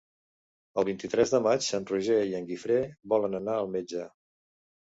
El vint-i-tres de maig en Roger i en Guifré volen anar al metge.